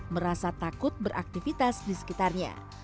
merasa takut beraktivitas di sekitarnya